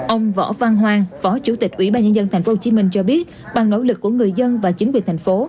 ông võ văn hoàng phó chủ tịch ủy ban nhân dân tp hcm cho biết bằng nỗ lực của người dân và chính quyền thành phố